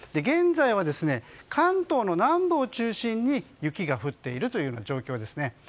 現在は、関東の南部を中心に雪が降っている状況です。